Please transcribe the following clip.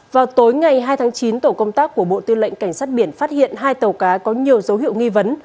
vào tối ngày hai tháng chín tổ công tác của bộ tư lệnh cảnh sát biển phát hiện hai tàu cá có nhiều dấu hiệu nghi vấn